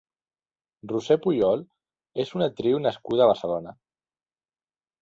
Roser Pujol és una actriu nascuda a Barcelona.